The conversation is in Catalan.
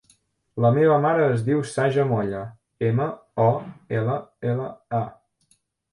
La meva mare es diu Saja Molla: ema, o, ela, ela, a.